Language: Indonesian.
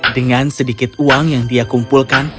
dengan sedikit uang yang dia kumpulkan